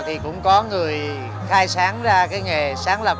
ngày hôm nay là ngày mà linh và các anh em nghệ sĩ cùng đua họp về